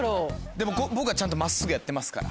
でも僕はちゃんと真っすぐやってますから。